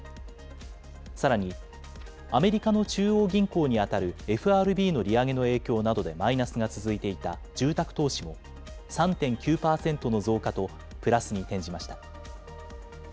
さらに、アメリカの中央銀行に当たるＦＲＢの利上げの影響などでマイナスが続いていた住宅投資も３．９％の増加とプラスに転じました。